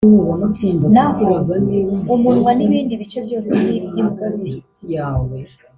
naho umunwa n’ibindi bice byose ni iby’ingurube